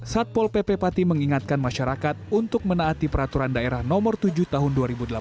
satpol pp pati mengingatkan masyarakat untuk menaati peraturan daerah nomor tujuh tahun dua ribu delapan belas